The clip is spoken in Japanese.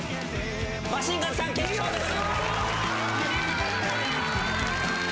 マシンガンズさん、決勝です。